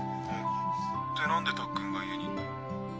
でなんでたっくんが家にいんの？